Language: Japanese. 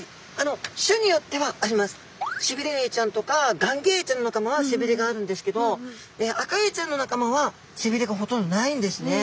シビレエイちゃんとかガンギエイちゃんの仲間はせびれがあるんですけどアカエイちゃんの仲間はせびれがほとんどないんですね。